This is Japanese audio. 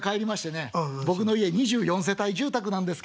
僕の家２４世帯住宅なんですけども。